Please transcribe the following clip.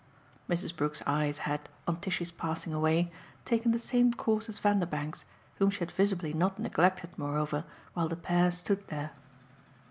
Mrs. Brook's eyes had, on Tishy's passing away, taken the same course as Vanderbank's, whom she had visibly not neglected moreover while the pair stood there.